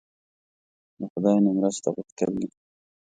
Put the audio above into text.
له خدای نه مرسته غوښتل دي.